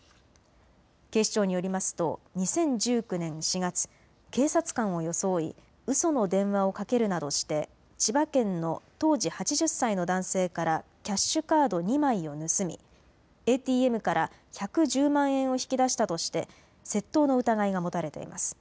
警視庁によりますと２０１９年４月、警察官を装いうその電話をかけるなどして千葉県の当時８０歳の男性からキャッシュカード２枚を盗みＡＴＭから１１０万円を引き出したとして窃盗の疑いが持たれています。